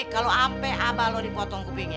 kalo ampe abah lu dipotong kupingnya